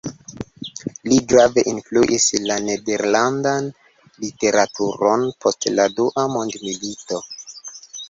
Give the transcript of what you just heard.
Li grave influis la nederlandan literaturon post la Dua Mondmilito.